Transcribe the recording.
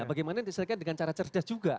bagaimana diselesaikan dengan cara cerdas juga